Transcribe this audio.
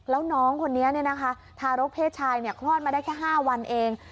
แล้วน้องคนนี้ทารกเพศชายคลอดมาได้แค่๕วันเอง